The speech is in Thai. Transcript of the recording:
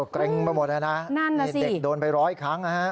เกร็งมาหมดนะนั่นนะสิเด็กโดนไปร้อยครั้ง